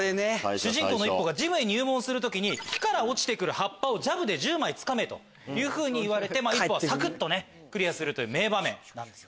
主人公の一歩がジムへ入門する時に木から落ちる葉っぱをジャブで１０枚つかめ！と言われてさくっとクリアする名場面なんですよ。